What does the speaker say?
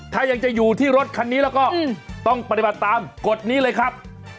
ถ้ายังจะอยู่ที่รถคันนี้แล้วก็ต้องปฏิบัติตามกฎนี้เลยครับ